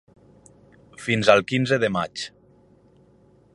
Fins al quinze de maig.